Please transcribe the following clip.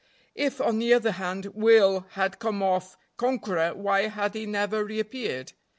If, on the other hand, Will had come off conqueror, why had he never reappeared?